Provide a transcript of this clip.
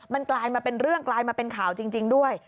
มันกลายมาเป็นเรื่องกลายมาเป็นข่าวจริงด้วย